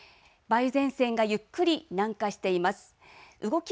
梅雨前線がゆっくり南下しています。